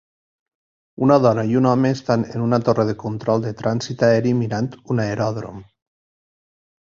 Una dona i un home estan en una torre de control de trànsit aeri mirant un aeròdrom.